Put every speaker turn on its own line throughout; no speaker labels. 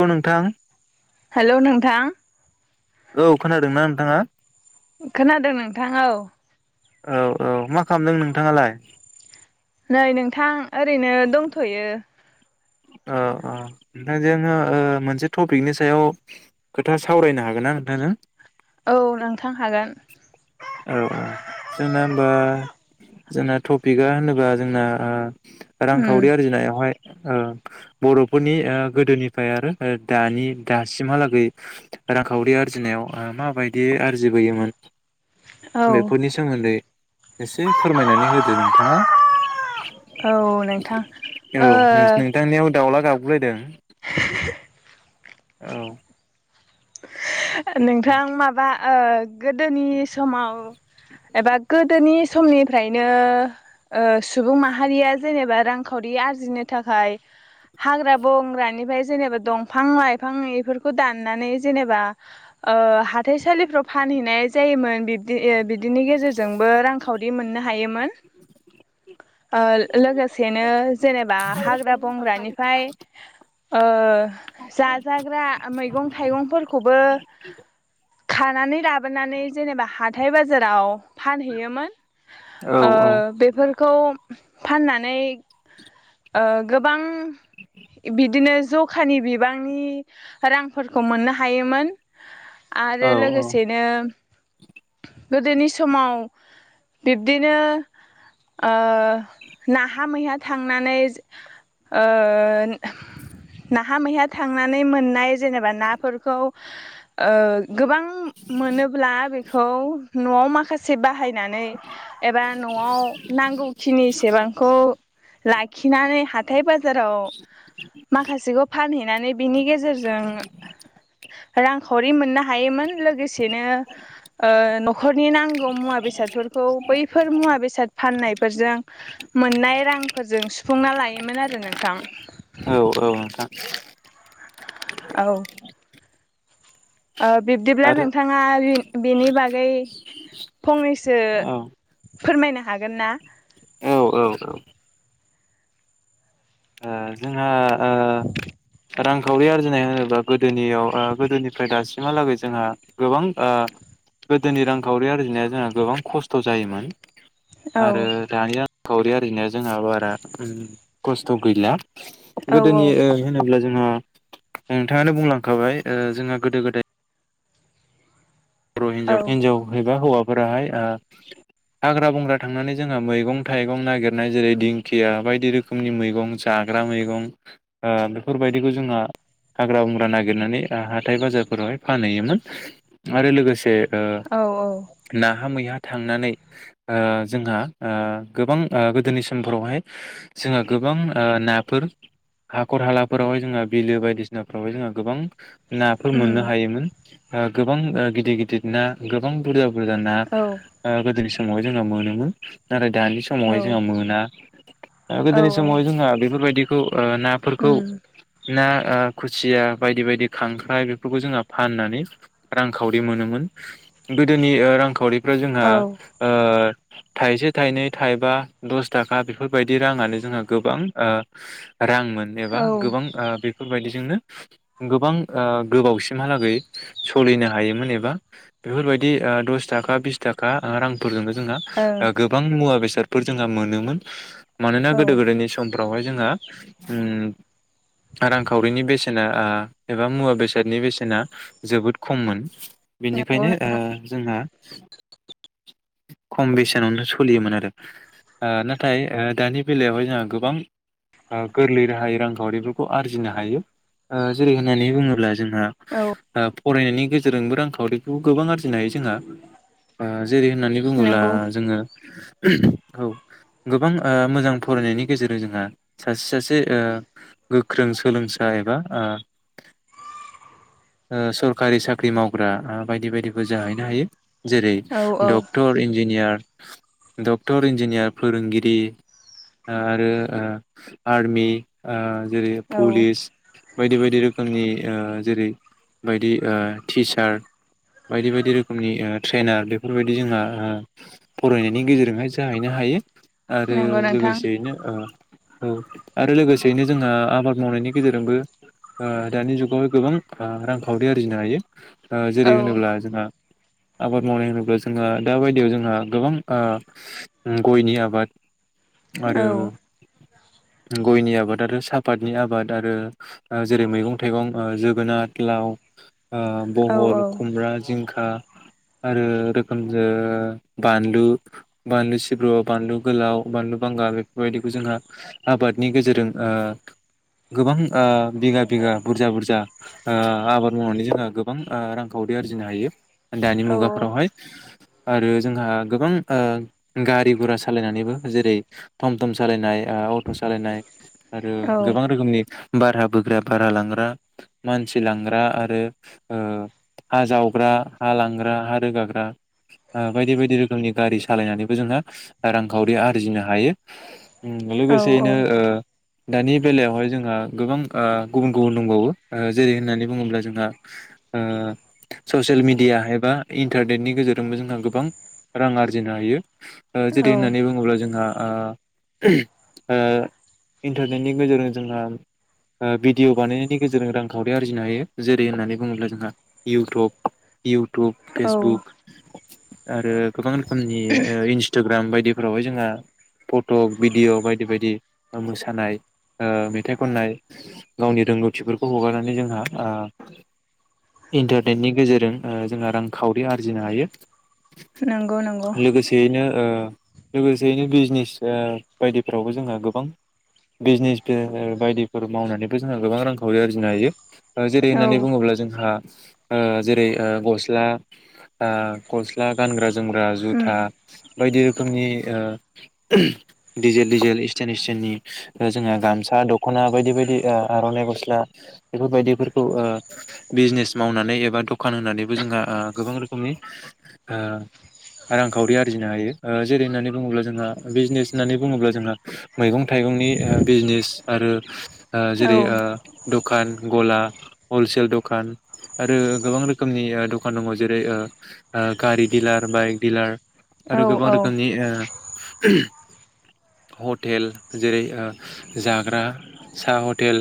औ' नोंथां
हेल' नोंथां
औ खोनादोंना नोंथाङा?
खोनादों नोंथां औ
औ औ मा खालामदों नोंथाङालाय?
नै नोंथां ओरैनो दंथ'यो
ओ ओ नोंथां जोङो ओ मोनसे टपिकनि सायाव खोथा सावरायनो हागोन ना नोंथांजों?
औ नोंथां हागोन
औ औ जोंना होमबा जोंना टपिकआ होनोबा जोंना ओ
उम
रांखावरि आरजिनायावहाय ओ बर'फोरनि ओ गोदोनिफ्राय आरो ओ दानि दासिमहालागै रांखावरि आरजिनायाव ओ माबायदि आरजिबोयोमोन।
औ
बेफोरनि सोमोन्दै एसे फोरमायनानै होदो नोंथाङा
औ नोंथां
औ
ओ
नोंस नों दाउला गाबगुलायदों औ
नोंथां माबा ओ गोदोनि समाव एबा गोदोनि समनिफ्रायनो ओ सुबुं माहारिया जेनेबा रांखावरि आरजिनो थाखाय हाग्रा बंग्रानिफ्राय जेनेबा दंफां लाइफां इफोरखौ दाननानै जेनेबा ओ हाथाइसालिफ्राव फानहैनाय जायोमोन बिबदि बिदिनि गेजेरजोंबो रांखावरि मोननो हायोमोन ओ लोगोसेनो जेनेबा हाग्रा बंग्रानिफ्राय ओ जाजाग्रा मैगं थाइगं फोरखौबो फानहैयोमोन
औ
ओ
औ
बेफोर खौ फाननानै ओ गोबां बिदिनो जखानि बिबांनि रांफोरखौ मोननो हायोमोन।
औ
आरो लोगोसेनो गोदोनि समाव बिब्दिनो ओ नाहा मैहा थां थांनानै ओ नाहा मैहा थांनानै मोननाय जेनेबा नाफोरखौ ओ गोबां मोनोब्ला बे खौ न'आव माखासे बाहाय नानै एबा न'आव नांगौखिनि सेबांखौ लाखिनानै हाथाय बा बाजाराव माखासेखौ फानहैनानै बिनि गेजेरजों रांखावरि मोननो हायोमोन लोगोसेनो ओ न'खरनि नांगौ मुवा बेसादफोरखौ बैफोर मुवा बेसाद फाननायफोरजों मोननाय रां फोरजों सुफुंना लायोमोन आ आरो नोंथां।
औ औ नोंथां [inaudible]
औ। ओ बिब्दिब्ला
आरो
नोंथाङा बि बिनि बागै फंनैसो
औ औ
फोरमायनो हागोन ना?
औ औ। ओ जोंहा ओ रांखावरि आरजिनाय होनोब्ला गोदोनियाव गोदोनिफ्राय दासिम बिहालागै जोंहा गोबां ओ गोदोनि रांखावरि आरजिनाया जोंहा गोबां खस्थ' जायोमोन
औ
आरो दानिया खावरि आरजिनाया जोंहा बारा खस थ' गैला
औ
गोदोनि ओ होनोब्ला जोङो नोंथाङानो बुंलांखाबाय ओ जोंहा गोदो गोदाय बर'
औ
हिनजाव हिन्जाव एबा हौवा फोरावहाय ओ हाग्रा बंग्रा थांनानै जोंहा मैगं थाइगं नागिरनाय जेरै दिंखिया बायदि रोखोमनि मैगं जाग्रा मैगं ओ बेफोरबायदिखौ जोंहा हाग्रा बंग्रा नागिरनानै ओ हाथाइ बाजारफोरावहाय फानहैयोमोन आरो लोगोसे ओ
औ औ
नाहा मैहा थांनानै ओ जोंहा ओ गोबां ओ गोदोनि समफोरावहाय जोंहा गोबां ओ नाफोर हाखर हालाफोरावहाय जोंहा बिलो बायदिसिनाफोरावहाय जोङो गोबां नाफोर
उम
मोननो हायोमोन आ गोब बां ओ गिदिद गिदिद ना गोबां बुरुजा बुरजा ना
औ
ओ गोदोनि स [unintelligible] जोंहा मोनोमोन नाथाय दानि
औ
समावहाय जोंहा मोना ओ गोदोनि
औ
समावहाय जोंहा बेफोरबायदि ओ नाफोरखौ
उम
ना ओ खुसिया बायदि बायदि खांख्राइ बेफोरखौ जोंहा फाननानै रांखावरि मोनोमोन गोदोनि ओ रांखावरि फ्राय जोंहा
औ
ओ थाइसे थाइनै थाइबा दस थाखा बेफोरबायदि राङानो जोंहा गोबां ओ रांमोन एबा
औ ओं औ
गोबां बेफोरबायदि जोंनो गोबां ओ गोबावसिमहालागै सलिनो हायोमोन एबा बेफोरबायदि दस थाखा बिस थाखा रांफोरजोंनो जोंहा ओ गोबां मुवा बेसाद सादफोर जोंहा मोनोमोन मानोना गोदो गोदायनि समफोर रावहाय जोंहा ओम रांखावरिनि बेसेना ओ एबा मुवा बेसादनि बेसेना जोबोद खममोन
नंगौ
बेनिखायनो ओ जोंहा खम बेसेनावनो सलियोमोन आरो ओ नाथाय ओ दानि बेलायावहाय जोंहा गोबां ओ गोरलै राहायै रांखावरिफोरखौ आरजिनो हायो ओ जेरै होननानै बुङोब्ला जोंहा
औ
ओ फरायनायनि गेजेरजोंबो रांखावरिखौ गोबां आरजिनो हायो जोंहा ओज जेरै होननानै बुङोब्ला
नंगौ
जोङो औ गोबां ओ मोजां फरायनायनि गेजेरजों जोंहा सासे सासे ओ गोख्रों सोलोंसा एबा ओ ओ सरखारि साख्रि मावग्रा ओ बायदि बायदिबो जाहैनो हायो। जेरै
औ औ
डक्टर इन जिनियार डक्टर इन्जिनियार फोरोंगिरि आरो आ आर्मि आ जेरै
औ
पुलिस बायदि बायदि रोखोमनि ओ जेरै बायदि ओ टिचार बायदि बायदि रोखोमनि ओ ट्रेनार बेफोरबायदि जोंहा ओ फरायनायनि गेजेरजोंहाय जाहैनो हायो। आरो
नंगौ नोंथां
लोगोसेयैनो ओ औ आरो लोगोसेयैनो जोंहा आबाद मावनायनि गेजेरजोंबो ओ दानि जुगाव गोबां आ रांखावरि आरजिनो हायो। आ
औ
जेरै होनोब्ला जोंहा आबाद मावनाय होनोब्ला जोंहा दा बायदियाव जोंहा गोबां ओ उम गयनि आबाद आरो गयनि आबाद आरो सापातनि आबाद आरो ओ जेरै मैगं थाइगं ओ जोग गोनात लाव ओ
औ
बहल, खुमब्रा, जिंख आं आरो रोखोमजो बानलु बानलु सिब्रु बानलु गोलाव बानलु बांगाल बेफोरबायदिखौ जोंहा आबादनि गेजेरजों ओ गोबां ओ बिगा बिगा बुरजा बुरजा आ आबाद मावनानै जोंहा गोबां ओ रांखावरि आरजिनो हायो दानि मुगाफ्रावहाय आरो जोंहा गोबां ओ गारि गुरा सालायनानैबो जेरै टम टम सालायनाय ओ अट' सालायनाय। आरो
औ
गोबां रोखोमनि बार हा बोग्रा बारा लांग्रा मानसि लांग्रा आरो ओ हा जावग्रा हा लांग्रा हा रोगाग्रा आ बायदि बायदि रोखोमनि गारि सालायनानैबो जोहा रांखावरि आरजिनो हायो।
औ
लोगोसेयैनो ओ दानि बेलायावहाय जोंहा गोबां ओ गुबुन गुबुन दंबावो। ओ जेरै होननानै बुङोब्ला जोंहा ओ ससियेल मेडिया एबा इन्टारनेटनि गेजेरजोंबो जोंहा गोबां रां आरजिनो हायो। ओ जेरै होननानै बुङोब्ला जोंहा आ ओ इन्टारनेटनि गेजेरजों जोंहा ओ भिडिअ' बानायनायनि गेजेर जों रांखावरि आरजिनो हायो जेरै होननानै बुङोब्ला जोंहा इउटुब इउ टुब,
औ
फेसबुक आरो गोबां रोखोमनि ओ इन्सटाग्राम बायदिफोरावहाय जोंहा फटक भिडिअ' बायदि बायदि ओ मोसानाय ओ मेथाइ खननाय गावनि रोंगौथिफोर खौ हगारनानै जोंहा आ इन्टारनेटनि गेजेरजों ओ जोंहा रांखावरि आरजिनो हायो।
नंग नंग।
लोगोसेयैनो ओ लोगोसेयैनो बिजनेस ओ बायदिफोरावबो जोंहा गोबां बिजनेस फो बायदिफोर मावनानैबो जोंहा गोबां रां खावरि आरजिनो हायो। ओ जेरै
औ
होननानै बुङोब्ला जोंहा ओ जेरै ओ गस्ला ओ गस्ला गानग्रा जोमग्रा जुथा बायदि रोखोमनि ओ डिजेल डिजेल इसटेन इसटेननि ओ जोंहा गामसा दख'ना बायदि बायदि आ आर'नाइ गस ला बेफोरबायदिफोरखौ ओ बिजनेस मावनानै एबा दखान होनानैबो जोंहा आ गोबां रोखोमनि ओ रांखावरि आरजिनो हायो ओ जेरै होननानै बुङोब्ला जोंहा बिजनेस होननानै बुङोब्ला जोंहा मैगं थाइगंनि ओ बिजनेस आरो ओ
औ
जेरै ओ दखान, गला, हलसेल दखान आरो गोबां रोखोमनि दखान दङ जेरै गारि डिलार बाइक डिलार आरो गोबां रोखोमनि ओ हटेल जेरै ओ जाग्रा सा हटेल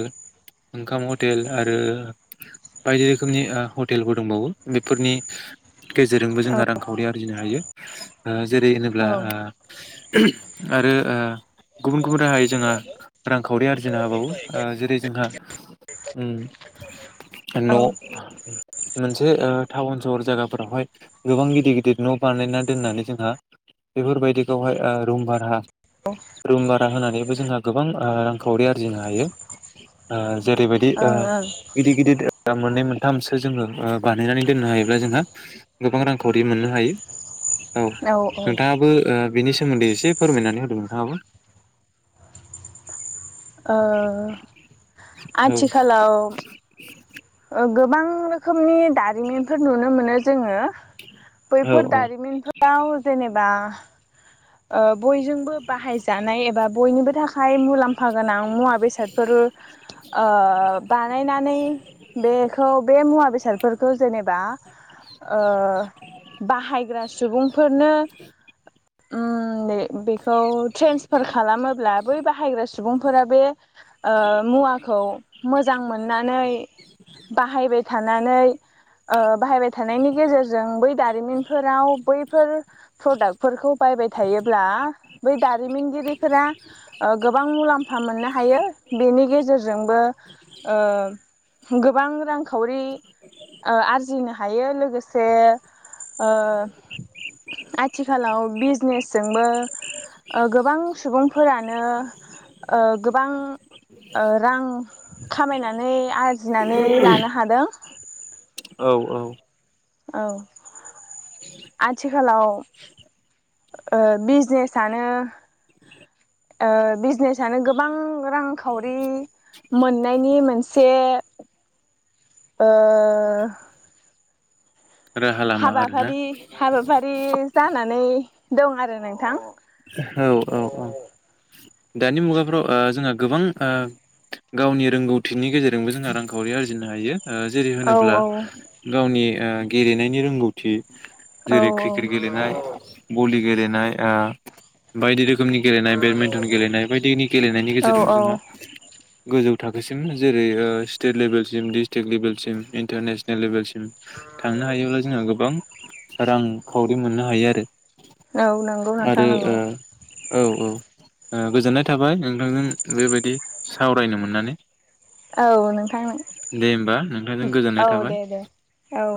ओंखाम हटेल आरो बायदि रोखोमनि ओ हटेलफोर दंबावो बेफोरनि गेजेरजोंबो जोंहा रांखावरि आरजिनो हायो ओ जेरै होनोब्ला ओ आरो गुबुन गुबुन राहायै जोंहा रांखावरि आरजिनो हाबावो जेरै जोंहा उम।
औ
न'। मोनसे ओ टाउन सहर जायगाफोरावहाय गोबां गिदिर गिदिर न' बानायना दोननानै जोंहा बेफोरबायदिखौहाय ओ रुम भारा रुम भारा होनानैबो जोंहा गोबां रांखावरि आरजिनो हायो। ओ ज जेरैबायदि ओ गिदिर गिदिर दा मोननै मोनथामसो जोङो बानायनानै दोननो हायोब्ला जोंहा गोबां रांखावरि मोननो हायो। औ नोंथाङाबो ओ बेनि सोमोन्दै एसे फोरमायनानै होदों नोंथाङाबो।
ओ आथिखालाव
[unintelligible]
गोबां रोखोमनि दारिमिनफोर नुनो मोनो जोङो। बैफोर
औ
दारिमिनफोराव जेनेबा ओ बयजोंबो बाहायजानाय एबा बयनिबो थाखाय मुलाम्फा गोनां मुवा बेसादफोर ओ बानायनानै बेखौ बे मुवा बेसादफोरखौ जेनेबा ओ बाहायग्रा सुबुंफोरनो उम बेखौ ट्रेन्सफार खालामोब्ला बै बाहायग्रा सुबुंफोरा बे ओ मुवाखौ मोजां मोननानै बाहायबाय थानानै ओ बाहायबाय थानायनि गेजेरजों बै दारिमिनफोराव बैफोर प्रदाक्टफोरखौ बायबाय थायोब्ला बै दारिमिनगिरिफोरा ओ गोबां मुलाम्फा मोननो हायो बेनि गेजेरजोंबो ओ गोबां रांखावरि ओ आरजिनो हायो लोगोसे ओ आथिखालाव बिजनेसजोंबो ओ गोबां सुबुं फोरानो ओ गोबां ओ रां खामायनानै आर जिनानै लानो हादों।
औ औ।
औ। आथि आथिखालाव ओ बिजनेसयानो ओ बिजनेसनानो गोबां रां खावरि मोननायनि मोनसे ओ
राहा लामा आरोना
हाबाफारि हाबाफारि जानानै दं आरो नोंथां
औ औ औ दानि मुगाफ्राव ओ जोंहा गोबां ओ गावनि रोंगौथिनि गेजेरजोंबो जोंहा रांखावरि आरजिनो हायो ओ जेरै
औ
होनोब्ला गावनि ओ गेलेनायनि रोंगौथि
औ
जेरै क्रिकेट गेलेनाय भलि गेलेनाय आ बायदि रोखोमनि गेलेनाय बेडमिन्टन गेलेनाय बायदिनि गेलेनायनि
औ
गेजेरजों
औ
जोंहा गोजौ थाखोसिम जेरै ओ स्टेट लेभेलसिम डिस्ट्रिकट लेभेलसिम इन्टारनेसनेल लेभेलसि सिम थांनो हायोब्ला जोंहा गोबां रां खावरि मोन्नो हायो आरो
औ नंगौ नोंथां
ओ
नों
औ औ ओ गोजोननाय थाबाय नोंथांजों बेबायदि सावरायनो मोन्नानै
औ नोंथां
नोंथांजों गोजोननाय
औ
थाबाय
दे दे औ।